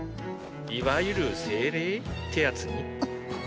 いわゆる精霊？ってやつに。